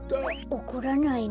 おこらないの？